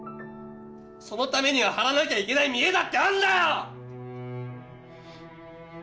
そのためには張らなきゃいけない見えだってあんだよ！